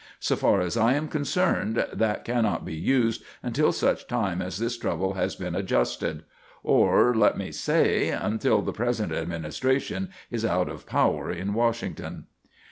So far as I am concerned, that cannot be used until such time as this trouble has been adjusted; or, let me say, until the present administration is out of power at Washington."